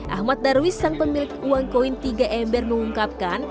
ahmad darwis sang pemilik uang koin tiga ember mengungkapkan